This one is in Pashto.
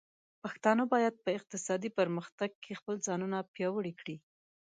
پښتانه بايد په اقتصادي پرمختګ کې خپل ځانونه پياوړي کړي.